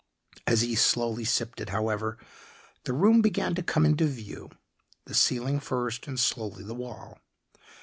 As he slowly sipped it, however, the room began to come into view the ceiling first and slowly the wall.